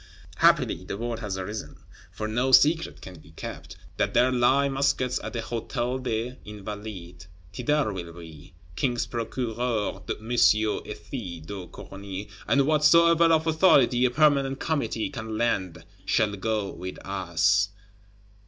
Happily the word has arisen, for no secret can be kept, that there lie muskets at the Hôtel des Invalides. Thither will we: King's Procureur M. Ethys de Corny, and whatsoever of authority a Permanent Committee can lend, shall go with us.